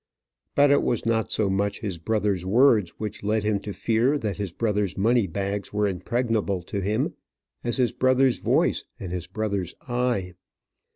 But it was not so much his brother's words which led him to fear that his brother's money bags were impregnable to him as his brother's voice and his brother's eye.